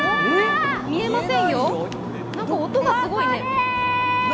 見えませんよ、なんか音がすごいね。